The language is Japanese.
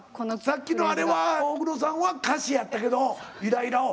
さっきのあれは大黒さんは歌詞やったけどイライラを。